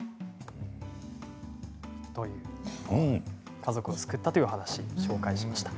家族を救ったという話紹介しました。